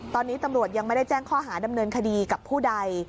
ตอนนี้ตำรวจยังไม่ได้แจ้งข้อหาดำเนินคดีกับผู้ใด